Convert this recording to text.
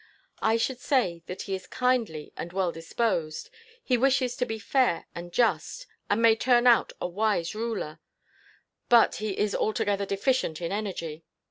I should say that he is kindly and well disposed, he wishes to be fair and just, and may turn out a wise ruler; but he is altogether deficient in energy.